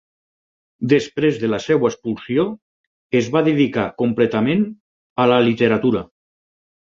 Després de la seva expulsió, es va dedicar completament a la literatura.